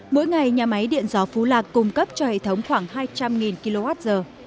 mỗi ngày nhà máy điện gió phú lạc cung cấp cho hệ thống khoảng hai trăm linh kwh